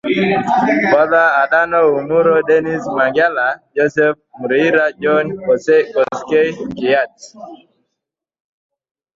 Bodha Adano Umuro Dennis Mwongela Joseph Muriira John Koskei Siyat